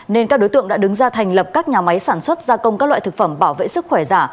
nên các đối tượng đã đứng ra thành lập các nhà máy sản xuất gia công các loại thực phẩm bảo vệ sức khỏe giả